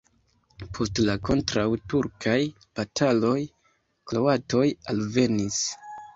Post la kontraŭturkaj bataloj kroatoj alvenis.